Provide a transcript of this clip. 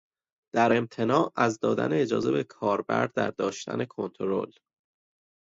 در امتناع از دادن اجازه به کاربر در داشتن کنترل